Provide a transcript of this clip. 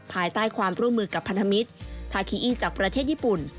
ภายใต้ความร่วมมือกับพันธมิตรทาคีอี้จากประเทศญี่ปุ่น